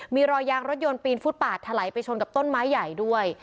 มีรอยยางรถยนต์ปีนฟุตปาดถลายไปชนกับต้นไม้ใหญ่ด้วย